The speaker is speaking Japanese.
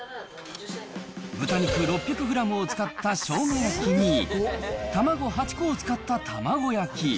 豚肉６００グラムを使ったしょうが焼きに、卵８個を使った卵焼き。